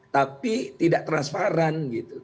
tapi tidak transparan gitu